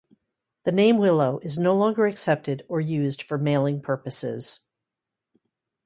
The name Willow is no longer accepted or used for mailing purposes.